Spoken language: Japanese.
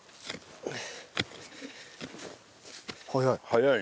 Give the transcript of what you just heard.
早い。